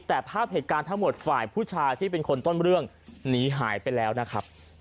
แต่ภาพเหตุการณ์ทั้งหมดฝ่ายผู้ชายที่เป็นคนต้นเรื่องหนีหายไปแล้วนะครับ